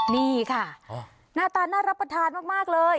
นี่ค่ะหน้าตาน่ารับประทานมากเลย